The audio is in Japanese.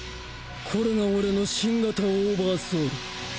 これが俺の新型オーバーソウル。